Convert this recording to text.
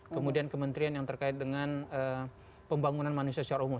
kemudian kementerian yang terkait dengan pembangunan manusia secara umum